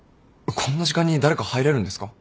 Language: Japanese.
こんな時間に誰か入れるんですか？